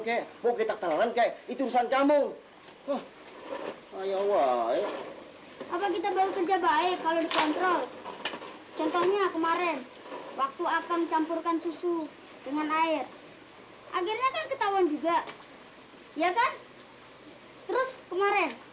kan mandinya air yang sama